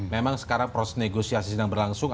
memang sekarang proses negosiasi sedang berlangsung